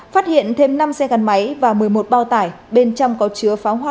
phát hiện thêm năm xe gắn máy và một mươi một bao tải bên trong có chứa pháo